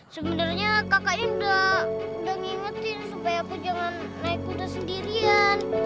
sebenarnya kakaknya udah ngingetin supaya aku jangan naik kuda sendirian